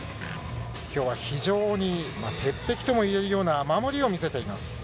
きょうは非常に鉄壁ともいえるような守りを見せています。